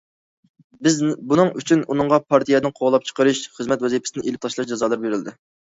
بۇنىڭ ئۈچۈن، ئۇنىڭغا پارتىيەدىن قوغلاپ چىقىرىش، خىزمەت ۋەزىپىسىدىن ئېلىپ تاشلاش جازالىرى بېرىلدى.